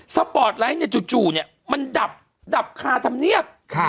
สปอร์ตไลฟ์เนี้ยจู่จู่เนี้ยมันดับดับคาทำเนี้ย